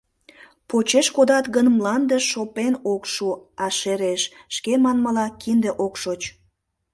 Почеш кодат гын, мланде шопен ок шу, а шереш, шке манмыла, кинде ок шоч.